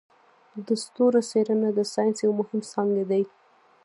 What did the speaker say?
د ستورو څیړنه د ساینس یو مهم څانګی دی.